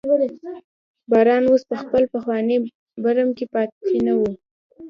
باران اوس په خپل پخواني برم کې پاتې نه و.